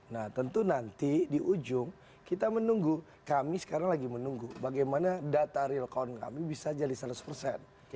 nah tentu nanti di ujung kita menunggu kami sekarang lagi menunggu bagaimana data real count kami bisa jadi seratus persen